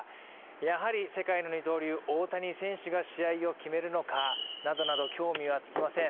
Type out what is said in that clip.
やはり世界の二刀流、大谷選手が試合を決めるのかなどなど興味は尽きません。